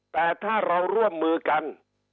แต่ถ้าเราร่วมมือกัน